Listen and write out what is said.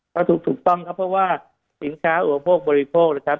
ก็ถูกต้องครับเพราะว่าสินค้าอุปโภคบริโภคนะครับ